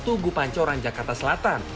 tugu pancoran jakarta selatan